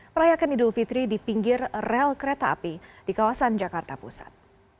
merayakan idul fitri di pinggir rel kereta api di kawasan jakarta pusat